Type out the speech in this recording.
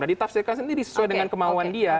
nah ditafsirkan sendiri sesuai dengan kemauan dia